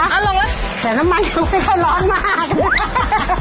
แต่น้ำมันยังไม่ค่อยร้อนมาก